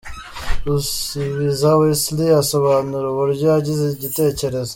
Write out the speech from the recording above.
Ruzibiza Wesley asobanura uburyo yagize igitekerzo.